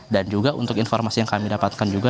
dan juga untuk informasi yang kami dapatkan juga